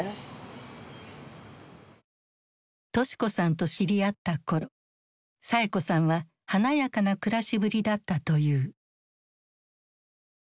敏子さんと知り合った頃サエ子さんは華やかな暮らしぶりだったという。